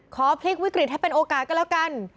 พลิกวิกฤตให้เป็นโอกาสก็แล้วกัน